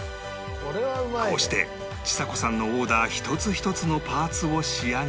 こうしてちさ子さんのオーダー１つ１つのパーツを仕上げ